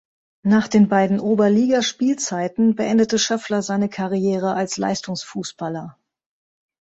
Nach den beiden Oberligaspielzeiten beendete Schöffler seine Karriere als Leistungsfußballer.